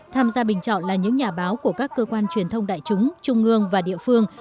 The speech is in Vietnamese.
tham gia bình chọn là những nhà báo của các cơ quan truyền thông đại chúng trung ương và địa phương